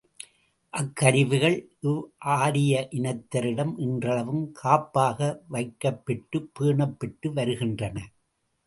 அக்கருவிகள் இவ்வாரிய இனத்தாரிடம் இன்றளவும் காப்பாக வைக்கப்பெற்றுப் பேணப் பெற்று வருகின்றன.